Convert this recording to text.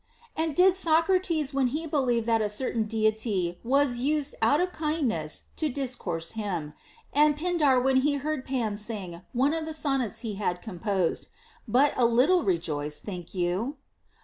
And did Socrates when he believed that a certain Divinity was used out of kindness to discourse him, and Pindar when he heard Pan sing one of the sonnets he had com posed, but a little rejoice, think you